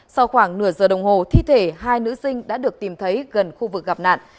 sau khoảng nửa giờ đồng hồ thi thể hai nữ sinh đã được tìm thấy gần khu vực gặp nạn